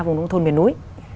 vùng nông thôn miền núi